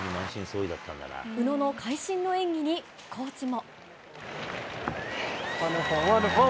宇野の会心の演技に、コーチも。